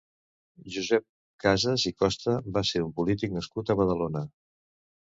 Josep Casas i Costa va ser un polític nascut a Badalona.